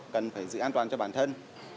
cần phải giữ an toàn cho bản thân